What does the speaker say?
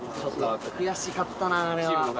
悔しかったなあれは。